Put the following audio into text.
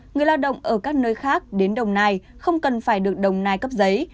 người lao động ở các nơi khác đến đồng nai không cần phải được đồng nai cấp giấy